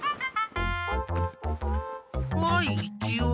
はいいちおう。